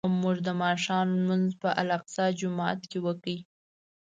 موږ د ماښام لمونځ په الاقصی جومات کې وکړ.